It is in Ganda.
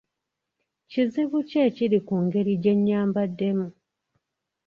Kizibu ki ekiri ku ngeri gye nyambaddemu?